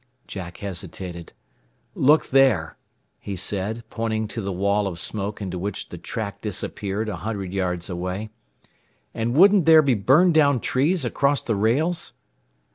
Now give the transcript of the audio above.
Jack hesitated. "Look there," he said, pointing to the wall of smoke into which the track disappeared a hundred yards away. "And wouldn't there be burned down trees across the rails?"